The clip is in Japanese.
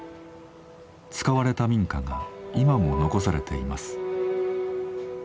使われた民家が今も残されています。